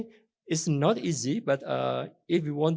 saya pikir itu tidak mudah